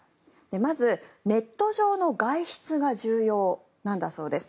まず、ネット上の外出が重要なんだそうです。